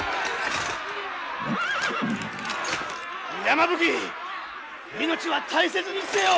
山吹命は大切にせよ！